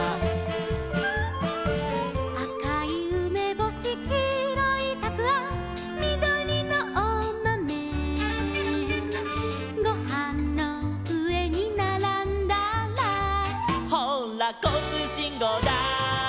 「あかいうめぼし」「きいろいたくあん」「みどりのおまめ」「ごはんのうえにならんだら」「ほうらこうつうしんごうだい」